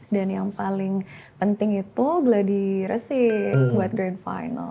dan yang paling penting itu gladiasi buat grand final